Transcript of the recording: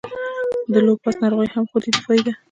د لوپس ناروغي هم خودي دفاعي ده.